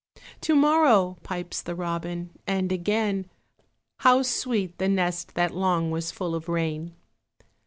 To morrow! pipes the robin, And again How sweet the nest that long Was full of rain.